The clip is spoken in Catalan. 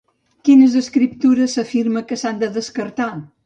Quines escriptures s'afirma que s'han de destacar?